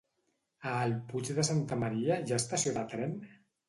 A el Puig de Santa Maria hi ha estació de tren?